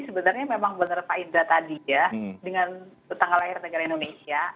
sebenarnya memang benar pak indra tadi ya